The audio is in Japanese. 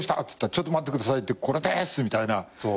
っつったら「ちょっと待ってください」って「これです」みたいな。